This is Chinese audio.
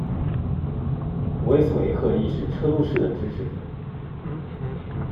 威斯维克亦是车路士的支持者。